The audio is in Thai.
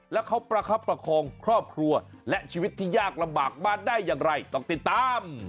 แล้วเขาประคับประคองครอบครัวและชีวิตที่ยากลำบากมาได้อย่างไรต้องติดตาม